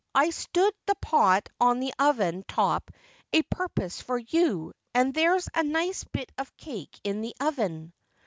I stood the pot on the oven top a purpose for you, and there's a nice bit of cake in the oven.'